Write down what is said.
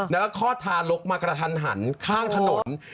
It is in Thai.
แล้วก็คลอดทารกมากระทันหันข้างถนน